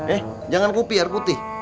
eh jangan kopi ya putih